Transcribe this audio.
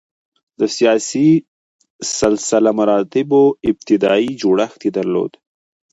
د سیاسي سلسله مراتبو ابتدايي جوړښت یې درلود.